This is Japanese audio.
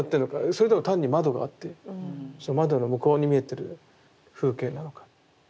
それとも単に窓があって窓の向こうに見えてる風景なのか。